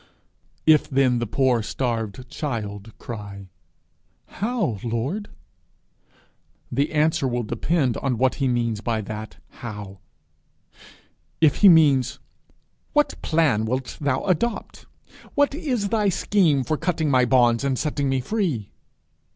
If then the poor starved child cry 'How, Lord?' the answer will depend on what he means by that how. If he means, 'What plan wilt thou adopt? What is thy scheme for cutting my bonds and setting me free?'